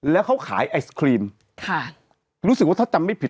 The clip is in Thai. แล้วเขาขายไอศครีมค่ะรู้สึกว่าถ้าจำไม่ผิด